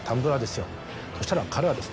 よそしたら彼はですね